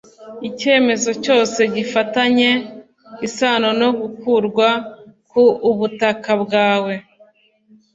Icyemezo cyose gifitanye isano no gukurwa ku ubutaka bwawe